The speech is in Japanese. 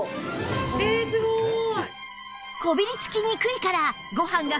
ええすごい！